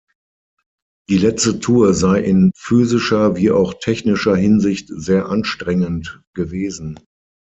Die letzte Tour sei in physischer wie auch technischer Hinsicht sehr anstrengend gewesen.